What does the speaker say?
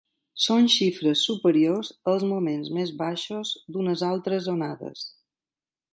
Són xifres superiors als moments més baixos d’unes altres onades.